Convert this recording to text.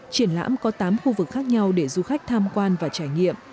triển lãm có tám khu vực khác nhau để du khách tham quan và trải nghiệm